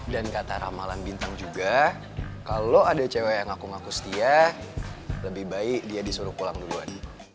dan kata ramalan bintang juga kalau ada cewek yang ngaku ngaku setia lebih baik dia disuruh pulang duluan